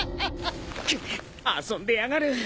くっ遊んでやがる。